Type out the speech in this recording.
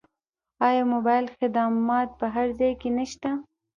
آیا موبایل خدمات په هر ځای کې نشته؟